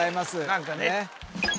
何かね